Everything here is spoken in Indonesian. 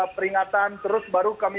peringatan terus baru kami